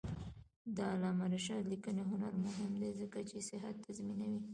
د علامه رشاد لیکنی هنر مهم دی ځکه چې صحت تضمینوي.